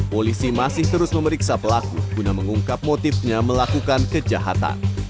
polisi masih terus memeriksa pelaku guna mengungkap motifnya melakukan kejahatan